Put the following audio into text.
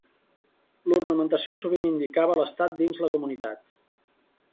L'ornamentació sovint indicava l'estat dins la comunitat.